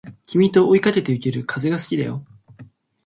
君と追いかけてゆける風が好きだよ